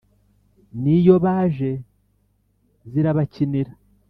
N'iyo baje zirabakinira